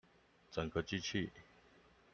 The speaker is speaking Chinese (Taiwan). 整個機器